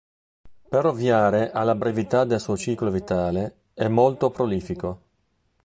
Per ovviare alla brevità del suo ciclo vitale è molto prolifico.